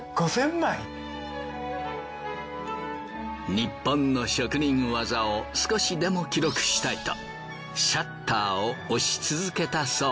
ニッポンの職人技を少しでも記録したいとシャッターを押し続けたそう。